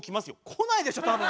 こないでしょ多分。